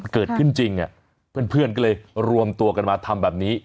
เกิดขึ้นจริงเพื่อนก็เลยรวมตัวกันมาทำแบบนี้